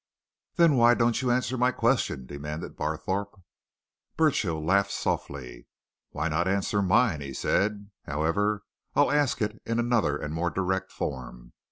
"Then why don't you answer my question?" demanded Barthorpe. Burchill laughed softly. "Why not answer mine?" he said. "However, I'll ask it in another and more direct form.